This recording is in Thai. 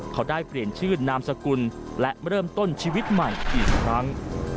เขาได้เปลี่ยนชื่อนามสกุลและเริ่มต้นชีวิตใหม่อีกครั้ง